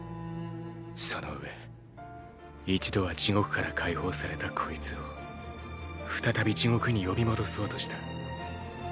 そのうえ一度は地獄から解放されたこいつを再び地獄に呼び戻そうとした。